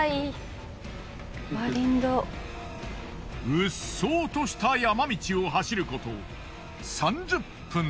うっそうとした山道を走ること３０分。